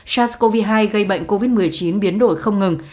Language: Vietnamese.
sars cov hai gây bệnh covid một mươi chín biến đổi không ngừng